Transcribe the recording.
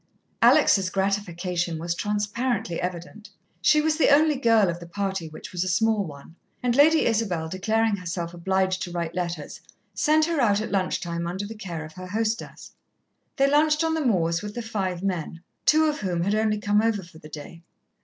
Alex's gratification was transparently evident. She was the only girl of the party, which was a small one; and Lady Isabel, declaring herself obliged to write letters, sent her out at lunch time under the care of her hostess. They lunched on the moors with the five men, two of whom had only come over for the day.